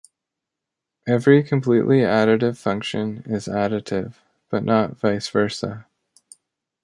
Every completely additive function is additive, but not vice versa.